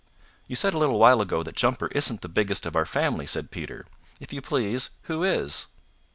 "You said a little while ago that Jumper isn't the biggest of our family," said Peter. "If you please, who is?"